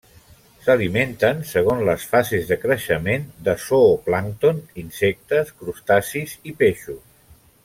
S'alimenten, segons les fases de creixement de zooplàncton, insectes, crustacis i peixos.